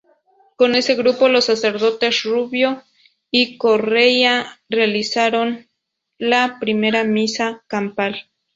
Con ese grupo, los sacerdotes Rubio y Correia realizaron la primera misa campal.